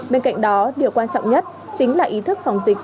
bên cạnh đó điều quan trọng nhất chính là ý thức phòng dịch